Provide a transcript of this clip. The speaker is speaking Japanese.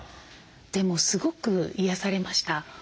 でもすごく癒やされました。